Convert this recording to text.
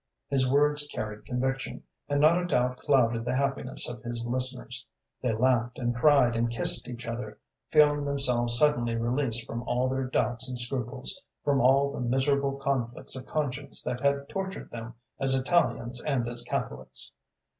His words carried conviction, and not a doubt clouded the happiness of his listeners. They laughed and cried and kissed each other, feeling themselves suddenly released from all their doubts and scruples, from all the miserable conflicts of conscience that had tortured them as Italians and as Catholics!